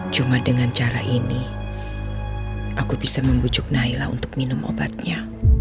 cuma dengan cara ini aku bisa membujuk naila untuk minum obatnya